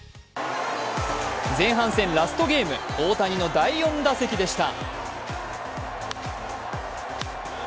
前半戦ラストゲーム、大谷の第４打席でした。